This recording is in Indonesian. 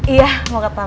iya mau ke tempat pak al